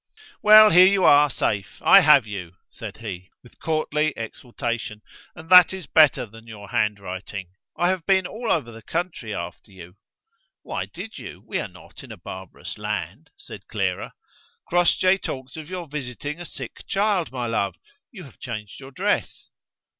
"Well! here you are, safe; I have you!" said he, with courtly exultation: "and that is better than your handwriting. I have been all over the country after you." "Why did you? We are not in a barbarous land," said Clara. "Crossjay talks of your visiting a sick child, my love: you have changed your dress?"